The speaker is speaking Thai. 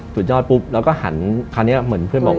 สุดยอดปุ๊บ